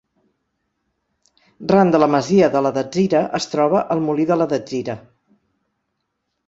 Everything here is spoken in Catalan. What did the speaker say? Ran de la masia de la Datzira es troba el molí de la Datzira.